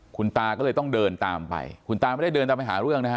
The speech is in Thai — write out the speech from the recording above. คุณตาก็เลยต้องเดินตามไปคุณตาไม่ได้เดินตามไปหาเรื่องนะฮะ